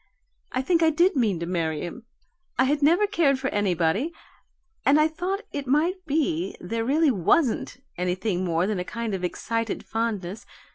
I think I did mean to marry him. I had never cared for anybody, and I thought it might be there really WASN'T anything more than a kind of excited fondness.